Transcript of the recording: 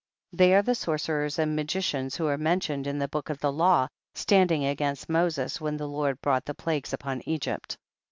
29. They are the sorcerers and magicians who are mentioned in the book of the law, standing against Moses when the Lord brought the plagues upon Egypt.